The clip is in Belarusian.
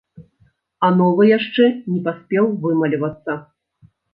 А новы яшчэ не паспеў вымалевацца.